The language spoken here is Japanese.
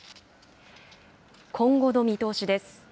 今後の見通しです。